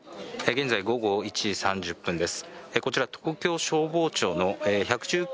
現在、午後１時３０分です。